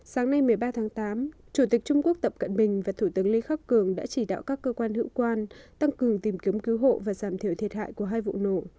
sáng nay một mươi ba tháng tám chủ tịch trung quốc tập cận bình và thủ tướng lê khắc cường đã chỉ đạo các cơ quan hữu quan tăng cường tìm kiếm cứu hộ và giảm thiểu thiệt hại của hai vụ nổ